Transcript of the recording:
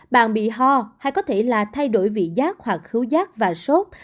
bạn bị ho hay có thể là thay đổi vị giác hoặc khứu rác và sốt